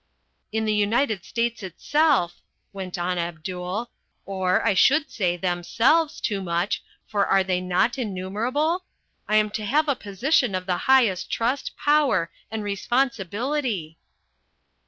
"In the United States itself," went on Abdul, "or, I should say, themselves, Toomuch, for are they not innumerable? I am to have a position of the highest trust, power and responsibility."